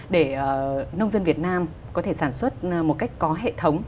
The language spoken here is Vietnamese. để nông dân việt nam có thể sản xuất một cách có hệ thống